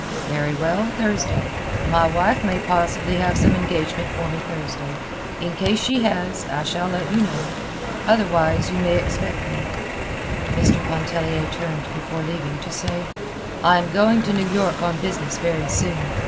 "Very well; Thursday. My wife may possibly have some engagement for me Thursday. In case she has, I shall let you know. Otherwise, you may expect me." Mr. Pontellier turned before leaving to say: "I am going to New York on business very soon.